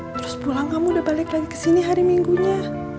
terus pulang kamu udah balik lagi kesini hari minggunya